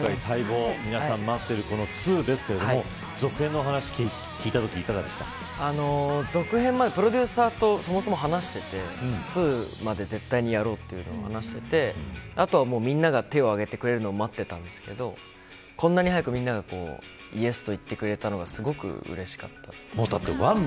皆さん待っているこの２ですけれども続報の話聞いたときプロデューサーとそもそも話してて２まで絶対にやろうというのを話していてあとはみんなが手を上げてくれるのを待っていたんですけどこんなに早く、みんながイエスと言ってくれたのはすごくうれしかった。